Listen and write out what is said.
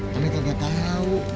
kami tidak tahu